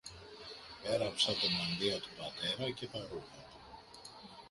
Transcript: Έραψα το μανδύα του πατέρα και τα ρούχα του